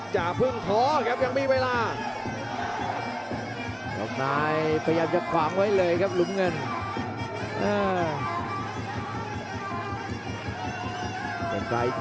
จังหวะเผลอที่เจอสอกซ้ายสอกขวาแม่ถอยกรูดเลยครับอ้าว